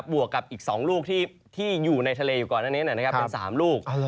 วกกับอีก๒ลูกที่อยู่ในทะเลอยู่ก่อนอันนี้เป็น๓ลูก